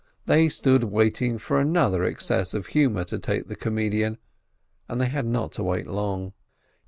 They stood waiting for another access of humour to take the comedian, and they had not to wait long.